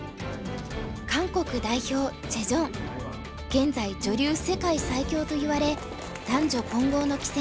現在女流世界最強といわれ男女混合の棋戦